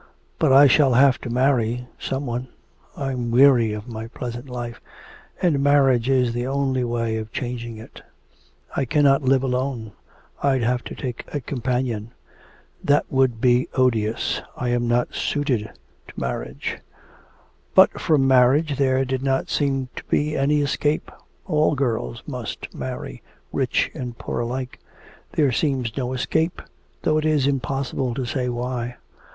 But I shall have to marry some one.... I'm weary of my present life, and marriage is the only way of changing it. I cannot live alone, I'd have to take a companion; that would be odious. I am not suited to marriage; but from marriage there did not seem to be any escape. All girls must marry, rich and poor alike; there seems no escape, though it is impossible to say why.